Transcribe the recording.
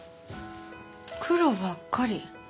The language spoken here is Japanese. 黒ばっかり。